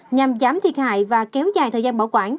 nhằm giảm thiệt hại và kéo dài thời gian bảo quản